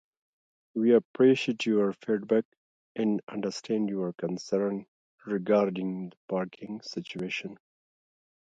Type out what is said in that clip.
We appreciate your feedback and understand your concern regarding the parking situation.